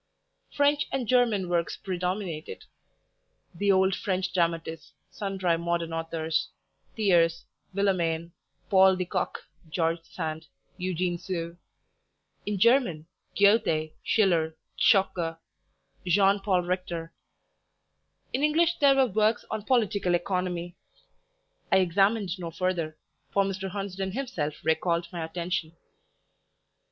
French and German works predominated, the old French dramatists, sundry modern authors, Thiers, Villemain, Paul de Kock, George Sand, Eugene Sue; in German Goethe, Schiller, Zschokke, Jean Paul Richter; in English there were works on Political Economy. I examined no further, for Mr. Hunsden himself recalled my attention.